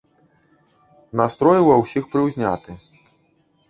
Настрой ува ўсіх прыўзняты.